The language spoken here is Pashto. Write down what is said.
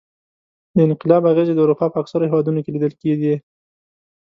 د انقلاب اغېزې د اروپا په اکثرو هېوادونو کې لیدل کېدې.